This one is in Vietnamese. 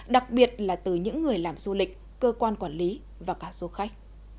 đặc biệt là từ những người làm du lịch cơ quan quản lý và cả du khách